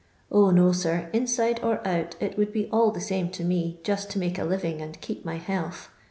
0, no, sir, inside or out it wxndd be dl the same to me, just to make a living and keep aiy health.